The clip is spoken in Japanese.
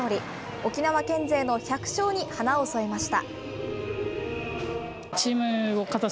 沖縄県勢の１００勝に花を添えました。